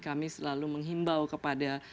kami selalu menghimbau kepada